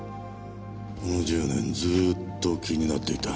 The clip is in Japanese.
この１０年ずっと気になっていた。